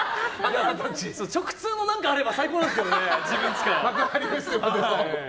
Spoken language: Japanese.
直通の何かあれば最高なんですけどね。